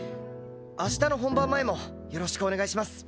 明日の本番前もよろしくお願いします！